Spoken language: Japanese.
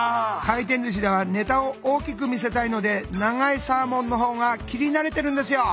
回転寿司ではネタを大きく見せたいので長いサーモンの方が切り慣れてるんですよ。